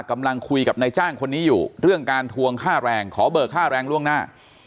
กำลังคุยกับนายจ้างคนนี้อยู่เรื่องการทวงค่าแรงขอเบิกค่าแรงล่วงหน้า